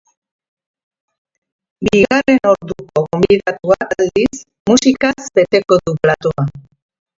Bigarren orduko gonbidatuak, aldiz, musikaz beteko du platoa.